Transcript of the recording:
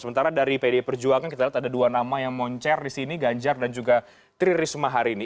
sementara dari pdi perjuangan kita lihat ada dua nama yang moncer di sini ganjar dan juga tririsma harini